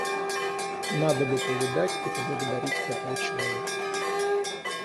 Надо бы повидать и поблагодарить этого человека».